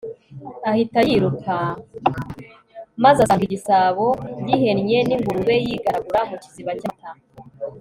ahita yiruka, maze asanga igisabo gihennye n'ingurube yigaragura mu kiziba cy'amata